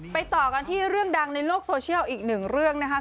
ต่อกันที่เรื่องดังในโลกโซเชียลอีกหนึ่งเรื่องนะครับ